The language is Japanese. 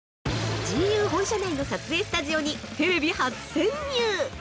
◆ＧＵ本社内の撮影スタジオにテレビ初潜入。